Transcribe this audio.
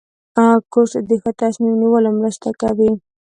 کورس د ښه تصمیم نیولو مرسته کوي.